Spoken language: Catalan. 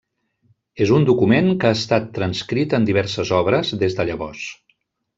És un document que ha estat transcrit en diverses obres des de llavors.